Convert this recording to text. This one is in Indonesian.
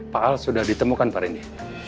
pak al sudah ditemukan pak reni